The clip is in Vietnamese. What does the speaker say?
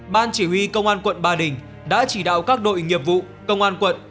ban chỉ huy công an quận ba đình đã chỉ đạo các đội nghiệp vụ công an quận